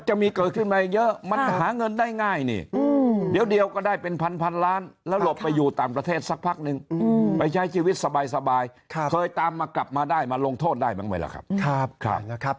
จะมีเกิดขึ้นมาเยอะมันหาเงินได้ง่ายนี่เดี๋ยวก็ได้เป็นพันล้านแล้วหลบไปอยู่ต่างประเทศสักพักนึงไปใช้ชีวิตสบายเคยตามมากลับมาได้มาลงโทษได้บ้างไหมล่ะครับ